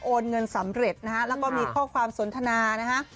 เงินสำเร็จนะฮะแล้วก็มีข้อความสนทนานะฮะ